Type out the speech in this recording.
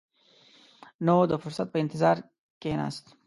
نو د فرصت په انتظار کښېناست.